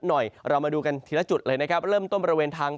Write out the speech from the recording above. เรามาดูกันทีละจุดเลยนะครับเริ่มต้นบริเวณทาง